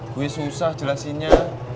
gue susah jelasinnya